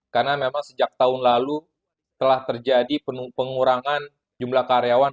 karena memang sejak tahun lalu telah terjadi pengurangan jumlah karyawan